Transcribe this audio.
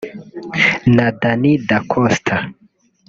na Danny da Costa